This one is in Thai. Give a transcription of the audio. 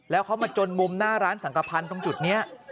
แล้วเขามาจนมุมหน้าร้านสังกภัณฑ์ตรงจุดนี้